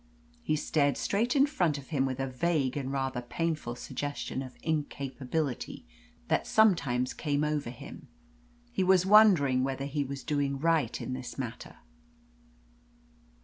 He stared straight in front of him with a vague and rather painful suggestion of incapability that sometimes came over him. He was wondering whether he was doing right in this matter.